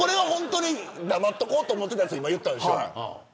黙っておこうと思ってたやつ言ったんでしょ。